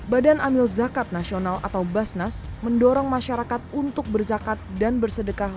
badan amil zakat nasional atau basnas mendorong masyarakat untuk berzakat dan bersedekah